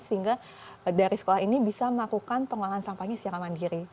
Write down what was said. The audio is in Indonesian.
sehingga dari sekolah ini bisa melakukan pengolahan sampahnya secara mandiri